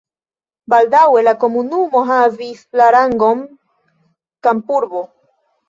Baldaŭe la komunumo havis la rangon kampurbo.